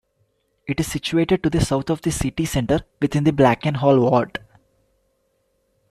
It is situated to the south of the city centre within the Blakenhall ward.